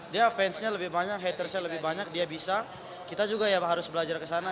dia fansnya lebih banyak hatersnya lebih banyak dia bisa kita juga ya harus belajar ke sana